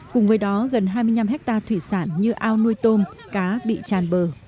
cùng với đó gần hai mươi năm hectare thủy sản như ao nuôi tôm cá bị tràn bờ